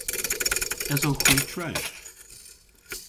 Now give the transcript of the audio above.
Esowgh hwi tre?